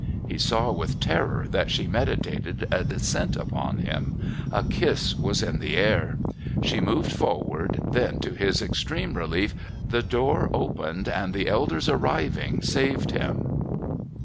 He saw with terror that she meditated a descent upon him; a kiss was in the air. She moved forward; then, to his extreme relief, the door opened and the elders arriving saved him.